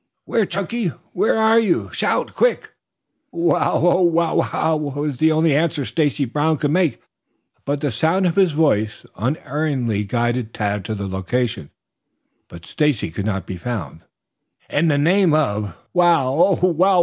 "Where, Chunky? Where are you? Shout quick!" "Wow! Ow wow wow!" was the only answer Stacy Brown could make, but the sound of his voice unerringly guided Tad to the location. But Stacy could not be found. "In the name of " "Wow!